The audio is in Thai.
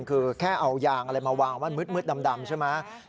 คือแค่เอายางอะไรมาวางว่ามืดดำใช่ไหม